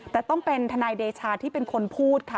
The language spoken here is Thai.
แต่ต้องเป็นทนายเดชาที่เป็นคนพูดค่ะ